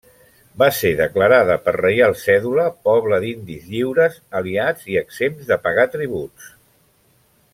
Va ser declarada per Reial Cèdula poble d'indis lliures aliats i exempts de pagar tributs.